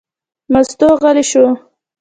مستو غلې شوه.